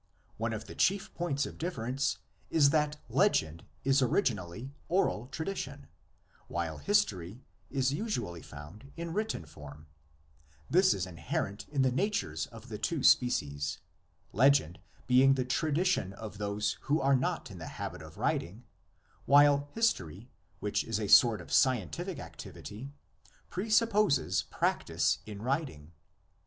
One of the chief points of difference is that legend is originally oral tradition, while history is usually found in written form; this is inherent in the nature of the two 4 THE LEGENDS OF GENESIS. species, legend being the tradition of those who are not in the habit of writing, while history, which is a sort of scientific activity, presupposes practice in writing.